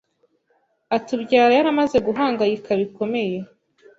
atubyara yaramaze guhangayika bikomeye